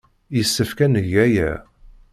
Yessefk ad neg aya.